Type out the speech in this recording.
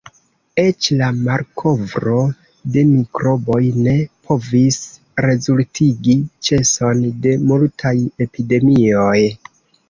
Eĉ la malkovro de mikroboj ne povis rezultigi ĉeson de multaj epidemioj.